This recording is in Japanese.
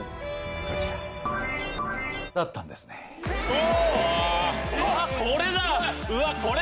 お！